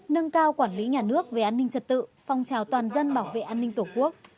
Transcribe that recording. nâng cao quản lý nhà nước về an ninh trật tự phong trào toàn dân bảo vệ an ninh tổ quốc